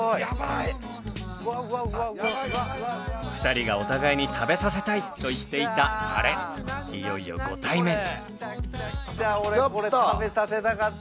２人がお互いに食べさせたいと言っていたあれいよいよご対面。